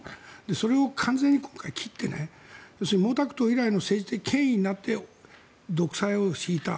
それを完全に今回、切って要するに毛沢東以来の政治的権威になって独裁を敷いた。